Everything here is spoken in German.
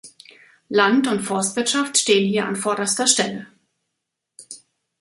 Land- und Forstwirtschaft stehen hier an vorderster Stelle.